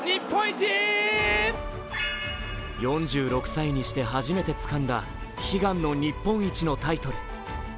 ４６歳にして初めてつかんだ悲願の日本一のタイトル。